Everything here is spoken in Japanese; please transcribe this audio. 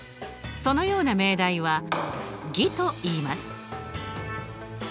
そのような命題は偽といいます。